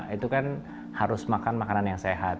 itu kan harus makan makanan yang sehat